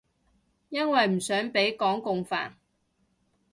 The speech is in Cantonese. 因為唔想畀港共煩